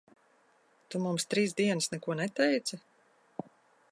Tu mums trīs dienas neko neteici?